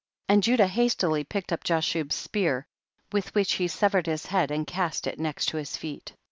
40. And Judah hastily picked up Jashub's spear, with which he sever ed his head and cast it next to his feet.